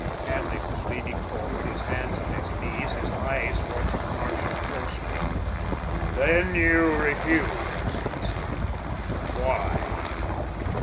Hanley was leaning forward, his hands on his knees, his eyes watching Marshall closely. "Then you refuse?" he said. "Why?"